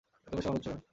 এত ইমোশনাল হচ্ছো কেন?